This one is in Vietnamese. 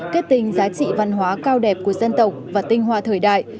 kết tình giá trị văn hóa cao đẹp của dân tộc và tinh hoa thời đại